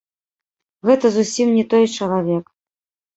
Гэта зусім не той чалавек!